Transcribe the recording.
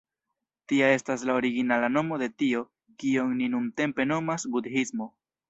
Tia estas la originala nomo de tio, kion ni nuntempe nomas budhismo.